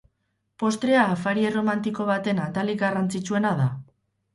Postrea afari erromantiko baten atalik garrantzitsuena da.